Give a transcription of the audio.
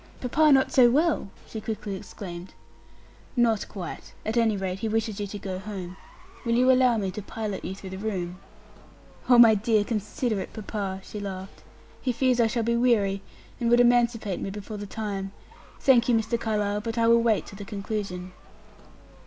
"Papa not so well!" she quickly exclaimed. "Not quite. At any rate, he wishes you to go home. Will you allow me to pilot you through the room?" "Oh, my dear, considerate papa!" she laughed. "He fears I shall be weary, and would emancipate me before the time. Thank you, Mr. Carlyle, but I will wait till the conclusion."